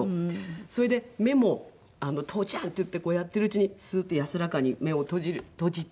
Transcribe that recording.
それで目も「父ちゃん」って言ってこうやっているうちにスッて安らかに目を閉じて。